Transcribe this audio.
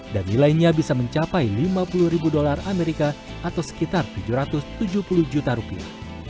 dan nilainya bisa mencapai lima puluh ribu dolar amerika atau sekitar tujuh ratus tujuh puluh juta rupiah